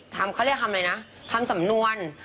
เขาเรียกทำอะไรนะทำสำนวน